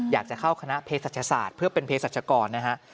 อยากจะเข้าคณะเพศศาสตร์เพื่อเป็นเพศรัชกรนะฮะ